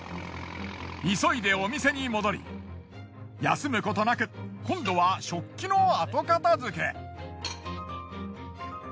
急いでお店に戻り休むことなく今度は食器の後片付け。